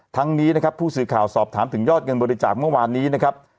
ทั้งนี้นะครับผู้สื่อข่าวสอบถามถึงยอดเงินบริจาคเมื่อวานนี้นะครับ